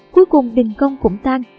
cuối cùng đình công cũng tan